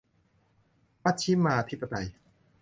มัชฌิมาธิปไตย